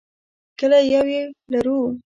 کله یو یې ولرو.